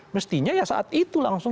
mestinya ya saat itu langsung